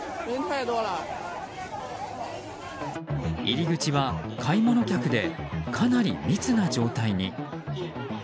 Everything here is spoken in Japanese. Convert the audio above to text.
入り口は買い物客でかなり密な状態に。